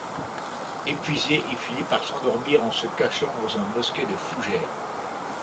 Épuisé, il finit par s'endormir en se cachant dans un bosquet de fougères.